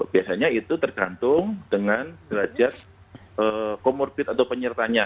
biasanya itu tergantung dengan derajat comorbid atau penyertanya